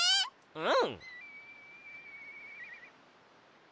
うん！